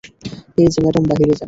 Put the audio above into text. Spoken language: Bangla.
এই যে ম্যাডাম বাহিরে যান!